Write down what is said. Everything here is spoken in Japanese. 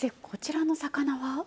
こちらの魚は？